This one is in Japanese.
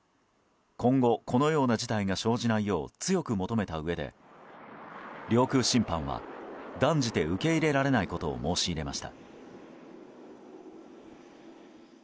今後このような事態が生じないよう強く求めたうえで領空侵犯は断じて受け入れられないことを申し入れました。